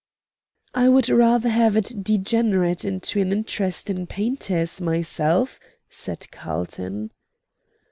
"I would rather have it degenerate into an interest in painters myself," said Carlton.